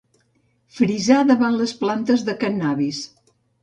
Frisar davant les plantes de cannabis.